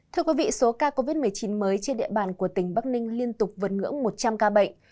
thưa quý vị số ca covid một mươi chín mới trên địa bàn của tỉnh bắc ninh liên tục vượt ngưỡng một trăm linh ca bệnh